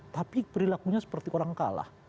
tapi perilakunya seperti orang kalah